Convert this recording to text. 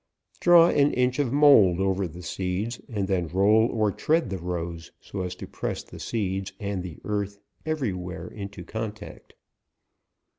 Draw an inch of mould over the seeds, and then roll or tread the rows, so as to press the seeds and the earth every where into contact.'